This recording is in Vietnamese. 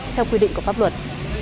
theo quy định của pháp luật